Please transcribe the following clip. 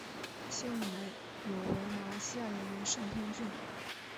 现任男友为马来西亚演员盛天俊。